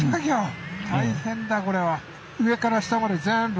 大変だこれは。